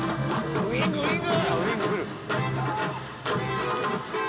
ウイングウイング！